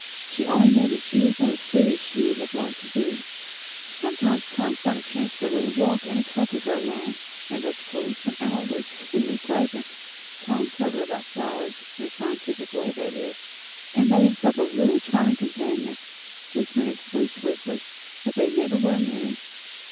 She only knew that she was not as free as she would have liked to be. Sometimes Tom found a chance for a little walk and talk with her alone; and those quarters of an hour were exceedingly pleasant; Tom told her about flowers, in a scientific way, that is; and made himself a really charming companion. Those minutes flew swiftly. But they never were many.